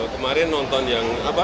kemarin nonton yang apa